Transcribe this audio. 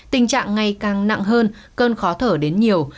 tình trạng ngày càng nặng hơn cơn khó thở đến nhiều